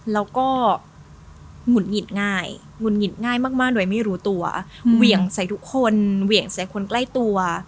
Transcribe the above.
แล้วก็หงุดหงิดง่ายหงุดหงิดง่ายมากโดยไม่รู้ตัวเหวี่ยงใส่ทุกคนเหวี่ยงใส่คนใกล้ตัว